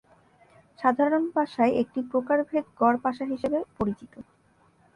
সাধারণ পাশায় একটি প্রকারভেদ "গড়" পাশা হিসাবে পরিচিত।